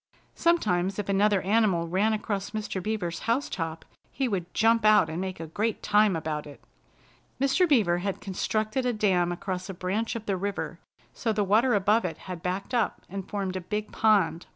Sometimes if another animal ran across Mr. Beaver's house top he would jump out and make a great time about it. Mr. Beaver had constructed a dam across a branch of the river so the water above it had backed up and formed a big pond.